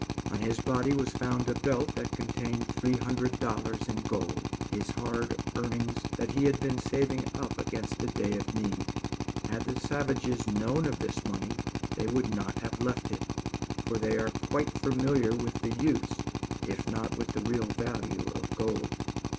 On his body was found a belt that contained three hundred dollars in gold his hard earnings that he had been saving up against a day of need. Had the savages known of this money, they would not have left it, for they are quite familiar with the use, if not with the real value of gold.